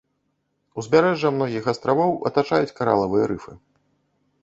Узбярэжжа многіх астравоў атачаюць каралавыя рыфы.